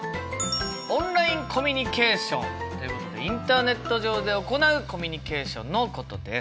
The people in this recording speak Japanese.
「オンラインコミュニケーション」ということでインターネット上で行うコミュニケーションのことです。